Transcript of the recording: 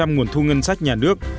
tám mươi nguồn thu ngân sách nhà nước